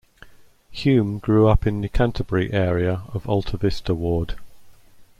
Hume grew up in the Canterbury area of Alta Vista Ward.